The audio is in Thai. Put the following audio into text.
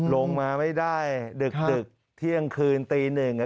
ลงมาไม่ได้ดึกเที่ยงคืนตีหนึ่ง